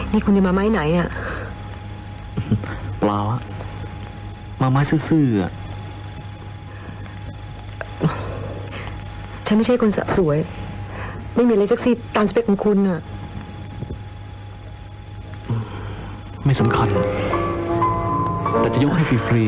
มีข้อแม้อะไรฮะ